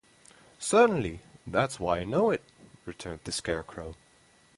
"Certainly; that is why I know it," returned the Scarecrow.